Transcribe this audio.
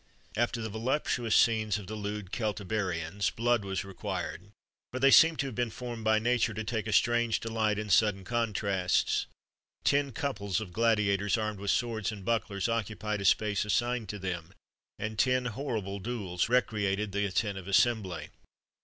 After the voluptuous scenes of the lewd Celtiberians, blood was required: for they seem to have been formed by nature to take a strange delight in sudden contrasts. Ten couples of gladiators, armed with swords and bucklers, occupied a space assigned to them, and ten horrible duels recreated the attentive assembly.